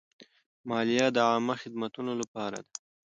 مالیه د عامه خدمتونو لپاره ده.